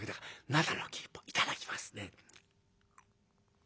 灘の生一本頂きますね」。